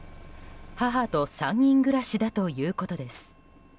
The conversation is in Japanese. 母と３人暮らしだということです。